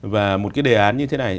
và một cái đề án như thế này